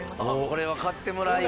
これは買ってもらい。